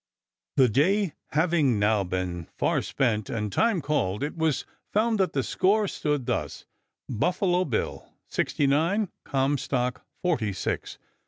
The day having now been far spent, and time called, it was found that the score stood thus: Buffalo Bill, sixty nine; Comstock, forty six.